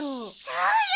そうよ！